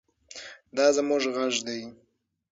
دا زموږ غږ دی.